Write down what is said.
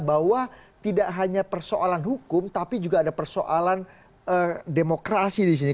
bahwa tidak hanya persoalan hukum tapi juga ada persoalan demokrasi di sini